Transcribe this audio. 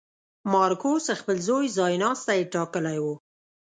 مارکوس خپل زوی ځایناستی ټاکلی و.